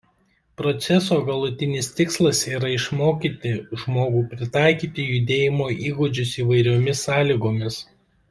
Proceso galutinis tikslas yra išmokyti žmogų pritaikyti judėjimo įgūdžius įvairiomis sąlygomis.